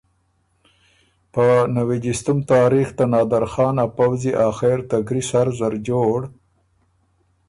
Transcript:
په نوی جيستُم تاریخ ته نادرخان ا پؤځی آخر ته ګری سر زر جوړ